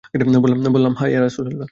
বললাম, হ্যাঁ, ইয়া রাসূলুল্লাহ!